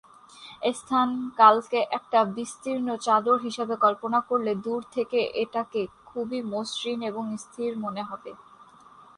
স্থান-কাল'কে একটা বিস্তীর্ণ চাদর হিসাবে কল্পনা করলে দূর থেকে এটাকে খুবই মসৃণ এবং স্থির মনে হবে।